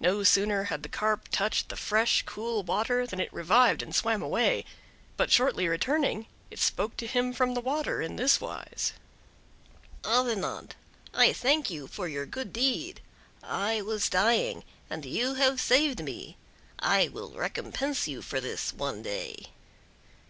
No sooner had the Carp touched the fresh cool water than it revived and swam away; but shortly returning, it spoke to him from the water in this wise: "Avenant, I thank you for your good deed. I was dying, and you have saved me; I will recompense you for this one day."